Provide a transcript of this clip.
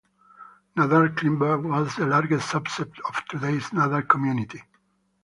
Nadar climber was the largest subsect of today's Nadar community.